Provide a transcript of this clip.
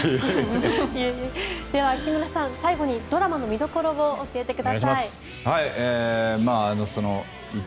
では、木村さん最後にドラマの見どころを教えてください。